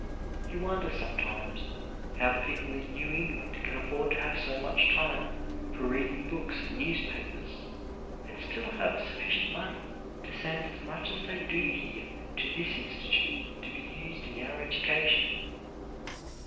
You wonder sometimes how the people in New England can afford to have so much time for reading books and newspapers, and still have sufficient money to send as much as they do here to this institute to be used in our education.